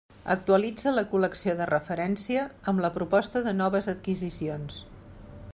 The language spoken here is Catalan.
Actualitza la col·lecció de referència amb la proposta de noves adquisicions.